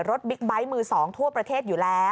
บิ๊กไบท์มือ๒ทั่วประเทศอยู่แล้ว